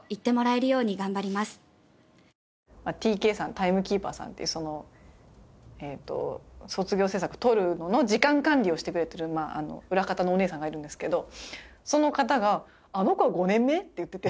タイムキーパーさんってその卒業制作撮るのの時間管理をしてくれてる裏方のお姉さんがいるんですけどその方が「あの子は５年目？」って言ってて。